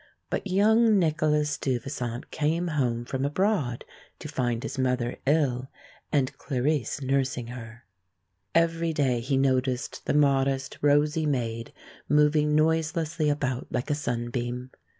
But young Nicholas Stuyvesant came home from abroad to find his mother ill and Clarice nursing her. Every day he noticed the modest rosy maid moving noiselessly about like a sunbeam.